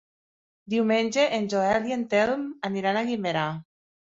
Diumenge en Joel i en Telm aniran a Guimerà.